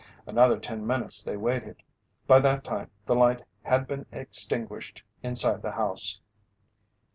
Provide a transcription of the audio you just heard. Another ten minutes they waited. By that time the light had been extinguished inside the house.